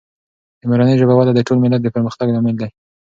د مورنۍ ژبې وده د ټول ملت د پرمختګ لامل دی.